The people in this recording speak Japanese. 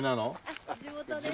地元です。